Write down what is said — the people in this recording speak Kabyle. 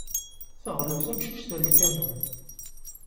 Teɣleb tamcict ar lkanun.